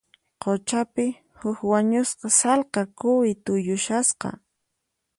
Quchapi, huk wañusqa sallqa quwi tuyushasqa.